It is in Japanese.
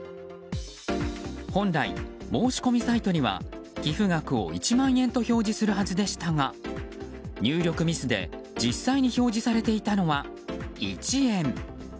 本来、申し込みサイトには寄付額を１万円と表示するはずでしたが入力ミスで実際に表示されていたのは１円。